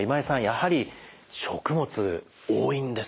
やはり食物多いんですね。